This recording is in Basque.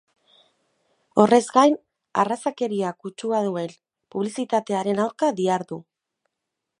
Horrez gain, arrazakeria kutsua duen publizitatearen aurka dihardu.